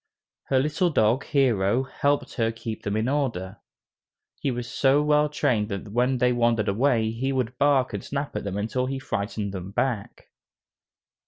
Her little dog, Hero, helped her keep them in order. He was so well trained that when they wandered away, he would bark and snap at them until he frightened them back.